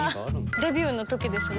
デビューの時ですね。